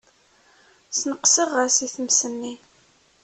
Sneqseɣ-as i tmes-nni.